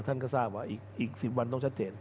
ท่านก็ทราบว่าอีก๑๐วันต้องชัดเจน